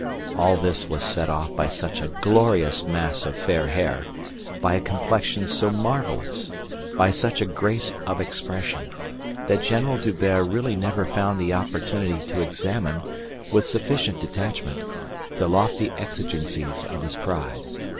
All this was set off by such a glorious mass of fair hair, by a complexion so marvellous, by such a grace of expression, that General D'Hubert really never found the opportunity to examine, with sufficient detachment, the lofty exigencies of his pride.